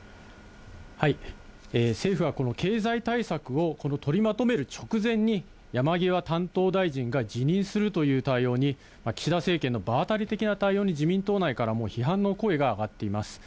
政府はこの経済対策を、取りまとめる直前に、山際担当大臣が辞任するという対応に、岸田政権の場当たり的な対応に自民党内からも批判の声が上がっています。